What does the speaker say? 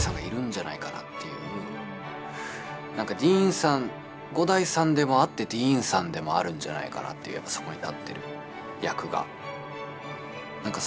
たぶん五代さんでもあってディーンさんでもあるんじゃないかなっていうそこに立ってる役が。